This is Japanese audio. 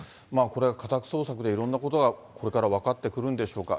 これ家宅捜索でいろんなことが分かってくるんでしょうか。